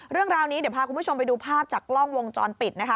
เรื่องราวนี้เดี๋ยวพาคุณผู้ชมไปดูภาพจากกล้องวงจรปิดนะคะ